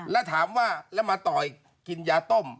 แล้วถามว่าแล้วมาต่ออีกกินยาต้ม